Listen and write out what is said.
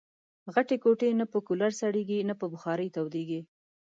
غټي کوټې نه په کولرسړېږي ، نه په بخارۍ تودېږي